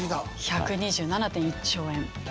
１２７．１兆円。